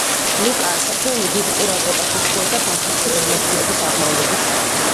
ლუკა ასათიანი დიდ ყურადღებას უთმობდა ბათუმში განათლების აღმავლობის საქმეს.